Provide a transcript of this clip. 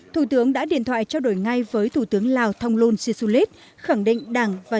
thủ tướng đã điện thoại trao đổi ngay với thủ tướng lào thonglun sisulit khẳng định đảng và